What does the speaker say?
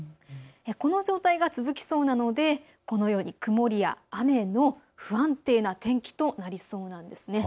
この状態が続きそうなのでこのように曇りや雨の不安定な天気となりそうなんです。